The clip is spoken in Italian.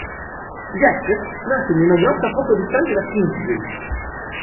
Jack nasce in una grotta poco distante da Kingsbridge.